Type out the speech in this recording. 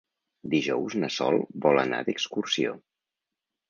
Dijous na Sol vol anar d'excursió.